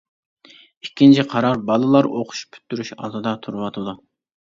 ئىككىنچى قارار بالىلار ئوقۇش پۈتتۈرۈش ئالدىدا تۇرۇۋاتىدۇ.